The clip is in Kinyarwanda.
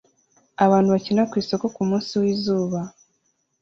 Abantu bakina ku isoko kumunsi wizuba